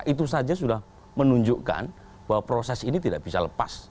itu saja sudah menunjukkan bahwa proses ini tidak bisa lepas